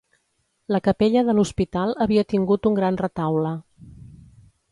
La capella de l'Hospital havia tingut un gran retaule.